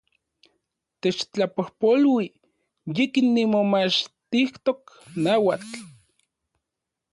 Techtlapojpolui, yikin nimomachtijtok nauatl